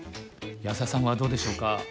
安田さんはどうでしょうか？